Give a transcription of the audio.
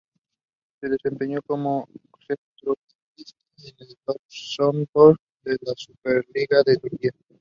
Se desempeña como centrocampista en el Trabzonspor de la Superliga de Turquía.